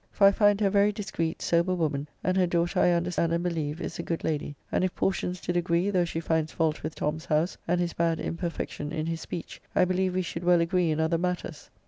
For I find her a very discreet, sober woman, and her daughter, I understand and believe, is a good lady; and if portions did agree, though she finds fault with Tom's house, and his bad imperfection in his speech, I believe we should well agree in other matters.